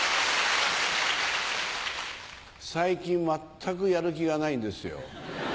最近全くやる気がないんですよ。